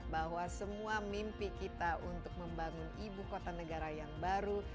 bahwa semua mimpi kita untuk membangun ibu kota negara yang baru